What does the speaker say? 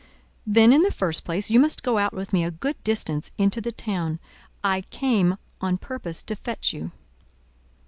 "Then, in the first place, you must go out with me a good distance into the town. I came on purpose to fetch you."